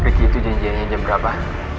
ricky itu janjiannya jam berapa